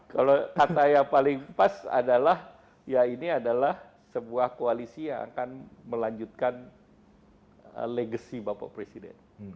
kalau kata yang paling pas adalah ya ini adalah sebuah koalisi yang akan melanjutkan legasi bapak presiden